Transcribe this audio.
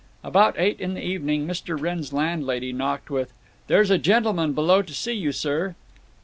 About eight in the evening Mr. Wrenn's landlady knocked with, "There's a gentleman below to see you, sir."